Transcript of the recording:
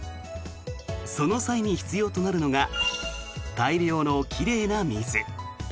その際に必要となるのが大量の奇麗な水。